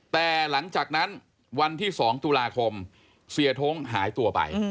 แต่หลังจากนั้นวันที่๒ตุลาคมเสียท้งหายตัวไป